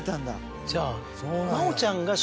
じゃあ。